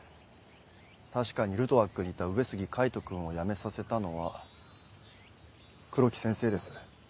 確かにルトワックにいた上杉海斗君をやめさせたのは黒木先生です。